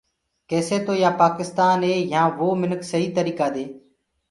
ڪيسي تو يآ پآڪستآني يهآنٚ وو منک سئيٚ تريٚڪآ دي